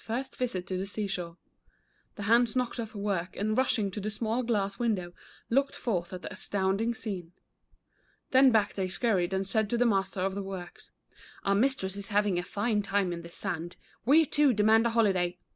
first visit to the seashore. The hands knocked off work, and rushing to the small glass window, looked forth at the astounding scene. Then back they scurried and said to the master of the works :" Our mistress is having a fine time in this sand. We, too, demand a holiday.